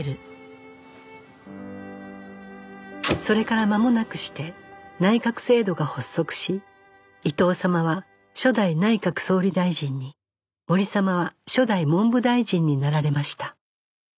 それからまもなくして内閣制度が発足し伊藤様は初代内閣総理大臣に森様は初代文部大臣になられました